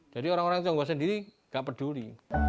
jadi orang orang tionghoa sendiri tidak peduli